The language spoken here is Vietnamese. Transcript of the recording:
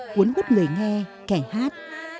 cuốn hút người nghe kẻ hát